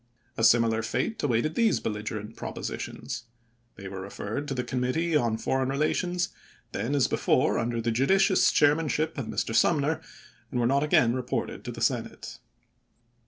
A similar fate awaited these belligerent propositions. They were referred to the Committee on Foreign Eelations, then, as be fore, under the judicious chairmanship of Mr. Sumner, and were not again reported to the Senate.